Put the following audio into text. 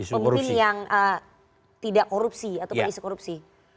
pemilih yang tidak korupsi atau berisi korupsi